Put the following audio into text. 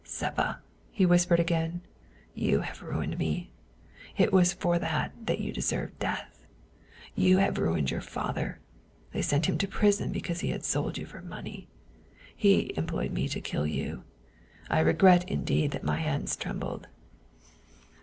" Seppa," he whispered again. " You have ruined me ; it was for that that you deserved death. You have ruined your father; they sent him to prison because he had sold you for money. He employed me to kill you I regret in deed that my hands trembled.